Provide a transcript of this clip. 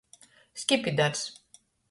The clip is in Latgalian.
Skipidars.